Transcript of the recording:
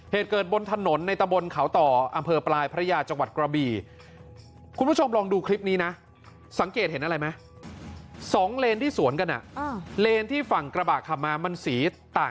เหตุเกิดบนถนนในตะบนเขาต่ออำเภอปลายพระยาจังหวัดกระบี่